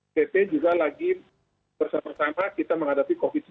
pt juga lagi bersama sama kita menghadapi covid sembilan belas